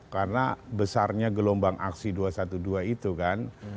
karena besarnya gelombang aksi dua ratus dua belas itu kan